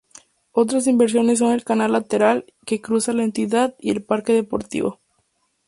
Otras inversiones son el canal lateral que cruza la entidad y el parque deportivo.